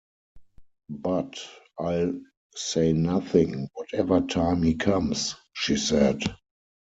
“But I’ll say nothing, whatever time he comes,” she said.